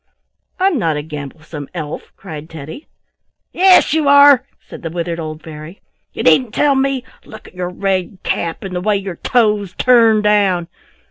"I'm not a gamblesome elf!" cried Teddy. "Yes you are!" said the withered old fairy. "You needn't tell me! Look at your red cap and the way your toes turn down.